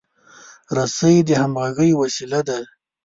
رسۍ د همغږۍ وسیله ده.